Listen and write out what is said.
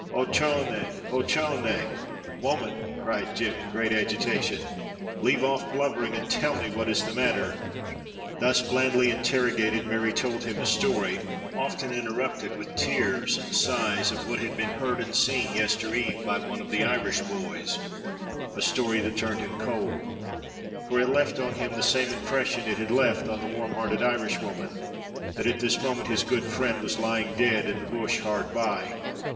Ochone! ochone!" "Woman," cried Jem, in great agitation, "leave off blubbering and tell me what is the matter." Thus blandly interrogated, Mary told him a story (often interrupted with tears and sighs) of what had been heard and seen yester eve by one of the Irish boys a story that turned him cold, for it left on him the same impression it had left on the warmhearted Irishwoman, that at this moment his good friend was lying dead in the bush hard by.